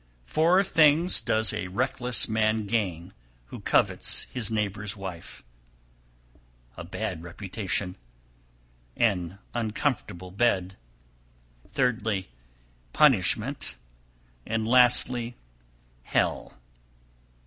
309. Four things does a wreckless man gain who covets his neighbour's wife, a bad reputation, an uncomfortable bed, thirdly, punishment, and lastly, hell.